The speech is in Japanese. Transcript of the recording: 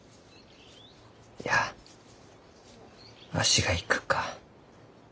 いやわしが行くか。